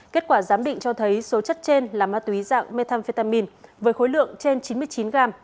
kết quả giám định cho thấy số chất trên là ma túy dạng methamphetamin với khối lượng trên chín mươi chín g